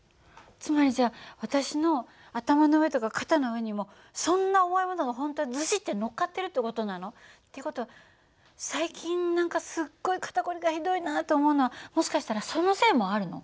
つまりじゃあ私の頭の上とか肩の上にもそんな重いものが本当はズシッてのっかってるって事なの？っていう事は最近何かすっごい肩凝りがひどいなと思うのはもしかしたらそのせいもあるの？